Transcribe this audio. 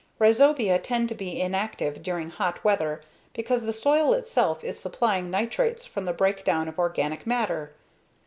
Rhizobia tend to be inactive during hot weather because the soil itself is supplying nitrates from the breakdown of organic matter.